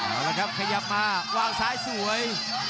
เอาละครับขยับมาวางซ้ายสวย